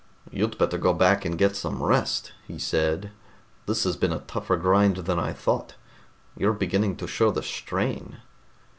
"You'd better go back and get some rest," he said. "This has been a tougher grind than I thought. You're beginning to show the strain."